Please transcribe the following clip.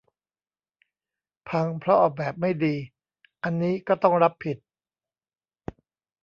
พังเพราะออกแบบไม่ดี อันนี้ก็ต้องรับผิด